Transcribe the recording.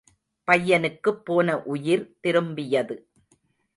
பையனுக்குப் போன உயிர் திரும்பியது.